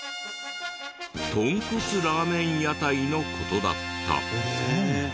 とんこつラーメン屋台の事だった。